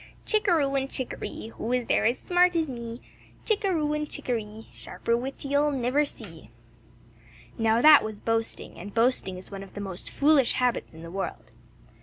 "Chickaro and chickaree, Who is there as smart as me? Chickaro and chickaree, Sharper wits you'll never see." Now that was boasting; and boasting is one of the most foolish habits in the world.